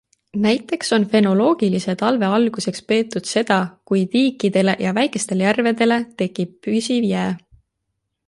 Näiteks on fenoloogilise talve alguseks peetud seda, kui tiikidele ja väikestele järvedele tekib püsiv jää.